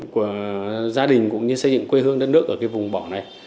của gia đình cũng như xây dựng quê hương đất nước ở cái vùng bỏ này